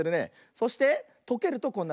そしてとけるとこんなかんじ。